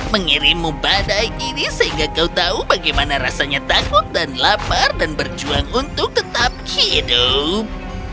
mengirimmu badai ini sehingga kau tahu bagaimana rasanya takut dan lapar dan berjuang untuk tetap hidup